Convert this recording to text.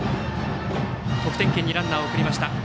得点圏にランナーを送りました。